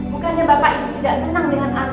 bukannya bapak itu tidak senang dengan arief